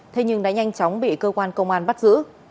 thế nhưng đã nhanh chóng bị cơ quan công an bắt giữ